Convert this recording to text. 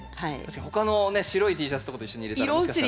他のね白いＴシャツとかと一緒に入れたらもしかしたら。